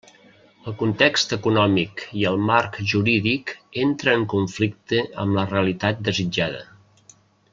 El context econòmic i el marc jurídic entra en conflicte amb la realitat desitjada.